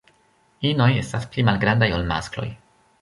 Inoj estas pli malgrandaj ol maskloj.